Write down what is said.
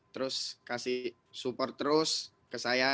terus kasih support terus ke saya